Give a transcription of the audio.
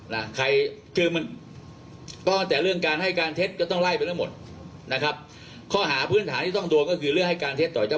ในขณะเกิดเหตุนะครับ